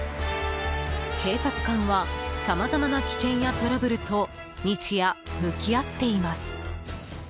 警察官はさまざまな危険やトラブルと日夜、向き合っています。